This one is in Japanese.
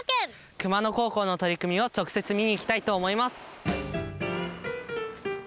熊野高校の取り組みを直接見に行きたいと思います。